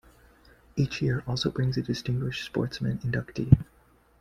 Each year also brings a "Distinguished Sportsman" inductee.